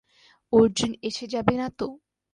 অর্জুন এসে যাবে নাতো?